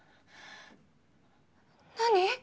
何？